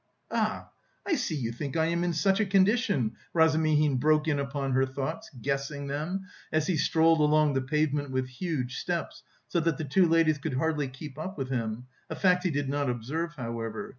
"Ah, I see you think I am in such a condition!" Razumihin broke in upon her thoughts, guessing them, as he strolled along the pavement with huge steps, so that the two ladies could hardly keep up with him, a fact he did not observe, however.